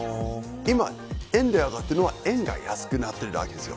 今、円で上がっているのは円が安くなっているだけなんです。